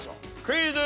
クイズ。